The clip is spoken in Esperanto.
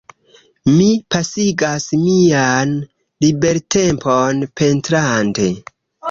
Mi pasigas mian libertempon pentrante.